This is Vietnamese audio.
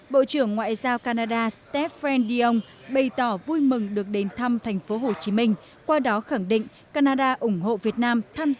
bộ trưởng ngoại giao canada stéphane dion bày tỏ vui mừng được đến thăm tp hcm qua đó khẳng định canada ủng hộ việt nam tham gia